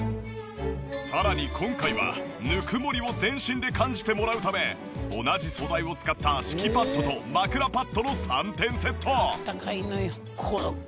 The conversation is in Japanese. さらに今回はぬくもりを全身で感じてもらうため同じ素材を使った敷きパッドと枕パッドの３点セット。